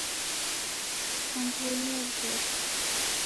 Namw'onie josa